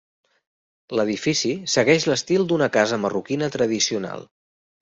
L'edifici segueix l'estil d'una casa marroquina tradicional.